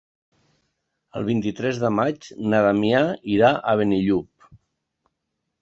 El vint-i-tres de maig na Damià irà a Benillup.